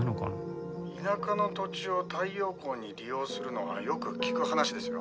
「田舎の土地を太陽光に利用するのはよく聞く話ですよ」